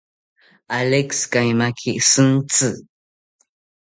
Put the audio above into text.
Alex, kaimaki shintzi